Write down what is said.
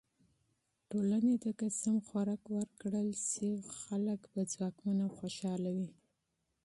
ټولنه که سالمه غذا ورکړي، افراد ځواکمن او خوشحاله وي.